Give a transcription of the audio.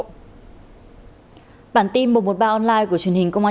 trong khi đó mưa rông chỉ xảy ra vào chiều tối